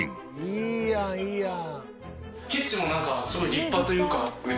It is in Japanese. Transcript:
いいやんいいやん。